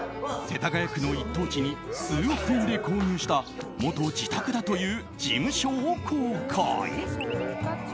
世田谷区の一等地に数億円で購入した元自宅だという事務所を公開。